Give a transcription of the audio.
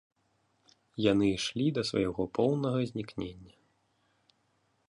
Яны ішлі да свайго поўнага знікнення.